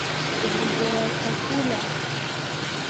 Umezoea chakula?